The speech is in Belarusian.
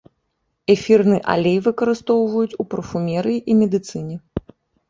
Эфірны алей выкарыстоўваюць у парфумерыі і медыцыне.